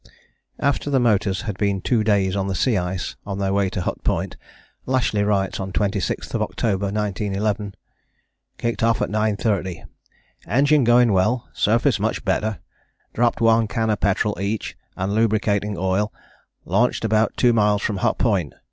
After the motors had been two days on the sea ice on their way to Hut Point Lashly writes on 26th October 1911: "Kicked off at 9.30; engine going well, surface much better, dropped one can of petrol each and lubricating oil, lunched about two miles from Hut Point.